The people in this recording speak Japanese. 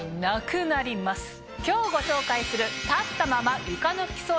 今日ご紹介する。